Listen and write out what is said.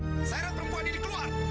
saya akan mengambil perempuan ini keluar